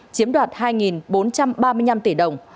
chiếm đoạt hai bốn trăm ba mươi năm tỷ đồng